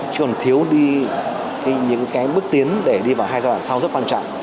chứ còn thiếu đi những cái bước tiến để đi vào hai giai đoạn sau rất quan trọng